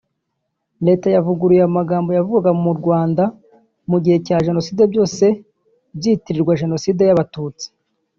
Leta yavuguruye amagambo yavugwaga mu Rwanda mu gihe cya Genocide byose byitirirwa Genocide y’abatutsi